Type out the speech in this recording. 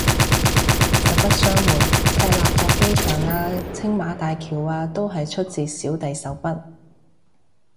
實不相瞞，赤鱲角機場啊青馬大橋啊都係出自小弟手筆